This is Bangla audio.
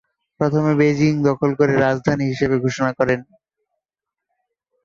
প্রথমে বেইজিং দখল করে রাজধানী হিসাবে ঘোষণা করেন।